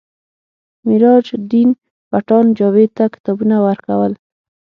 میراج الدین پټان جاوید ته کتابونه ورکول